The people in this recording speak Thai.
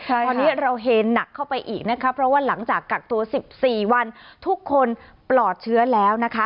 ตอนนี้เราเฮนหนักเข้าไปอีกนะคะเพราะว่าหลังจากกักตัว๑๔วันทุกคนปลอดเชื้อแล้วนะคะ